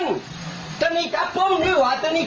ออกไปก่อนอารไฟ